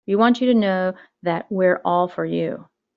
We want you to know that we're all for you.